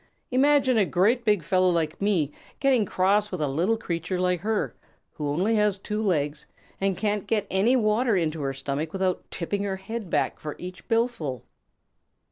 Imagine a great big fellow like me getting cross with a little creature like her, who has only two legs, and can't get any water into her stomach without tipping her head back for each billful."